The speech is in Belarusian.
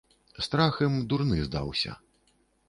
Страх ім дурны здаўся.